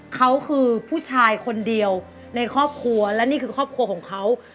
เขาคือผู้ชายคนเดียวในครอบครัวและนี่คือครอบครัวของเขา